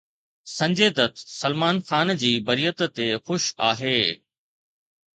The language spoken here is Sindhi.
سنجي دت سلمان خان جي بريت تي خوش آهي